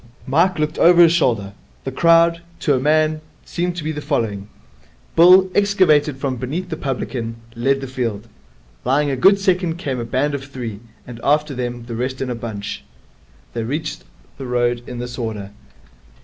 Mike looked over his shoulder. The crowd, to a man, seemed to be following. Bill, excavated from beneath the publican, led the field. Lying a good second came a band of three, and after them the rest in a bunch. They reached the road in this order.